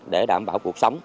để đảm bảo cuộc sống